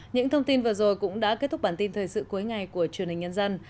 những thông tin vừa rồi cũng đã kết thúc bản tin thời sự cuối ngày của truyền hình nhân dân